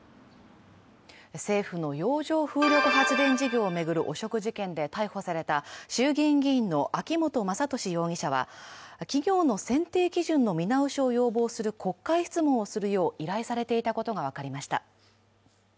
政府の洋上風力発電事業を巡る汚職事件で逮捕された衆議院議員の秋本真利容疑者は企業の選定基準の見直しを要望する国会質問をするよう依頼されていたことが分かりました。